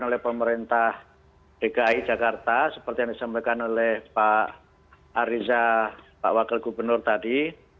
yang pertama adalah yang dilakukan oleh pemerintah dki jakarta seperti yang disampaikan oleh pak riza pak wakil gubernur tadi